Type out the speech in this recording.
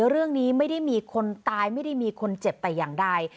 เรื่องนี้ไม่ได้มีคนตายไม่ได้มีคนเจ็บแต่อย่างใด